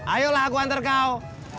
ayolah aku hantar kau